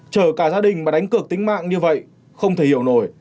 chở cả gia đình mà đánh cược tính mạng như vậy không thể hiểu nổi